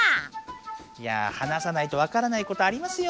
いや話さないとわからないことありますよ。